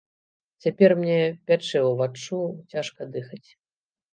Цяпер мне пячэ ўваччу, цяжка дыхаць.